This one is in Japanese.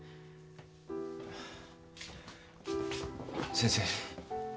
先生